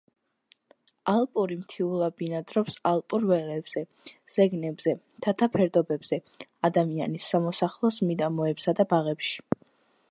ალპური მთიულა ბინადრობს ალპურ ველებზე, ზეგნებზე, მთათა ფერდობებზე, ადამიანის სამოსახლოს მიდამოებსა და ბაღებში.